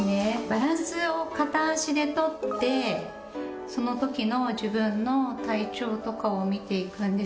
バランスを片足で取ってそのときの自分の体調とかを見ていくんですが。